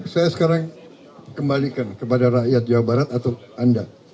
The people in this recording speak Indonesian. saya sekarang kembalikan kepada rakyat jawa barat atau anda